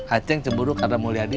ah ceng cemburu karena mulia di